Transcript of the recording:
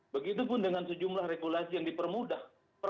begitupun dengan sejumlah regulasi yang dipermudah